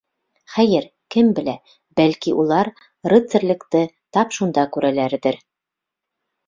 Хәйер, кем белә, бәлки, улар рыцарлекте тап шунда күрәләрҙер.